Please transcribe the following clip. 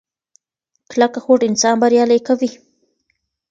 کلکه هوډ انسان بریالی کوي.